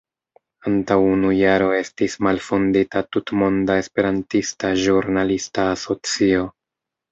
Antaŭ unu jaro estis malfondita Tutmonda Esperantista Ĵurnalista Asocio.